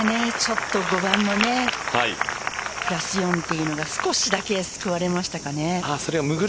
５番のプラス４というのが少しだけ救われましたかね。